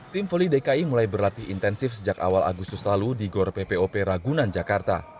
tim voli dki mulai berlatih intensif sejak awal agustus lalu di gor ppop ragunan jakarta